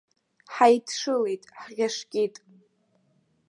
Ҳаидшылеит, ҳӷьашкит.